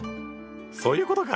そういうことか！